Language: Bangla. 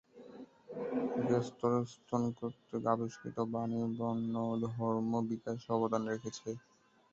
গ্তের-স্তোন কর্তৃক আবিষ্কৃত বাণী বন ধর্ম বিকাশে অবদান রেখেছে।